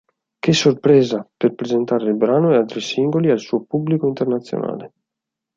Che sorpresa" per presentare il brano e altri singoli al suo pubblico internazionale.